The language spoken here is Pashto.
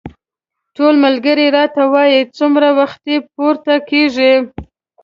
ټول ملګري راته وايي څومره وختي پورته کېږې.